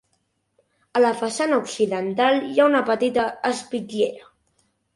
A la façana occidental hi ha una petita espitllera.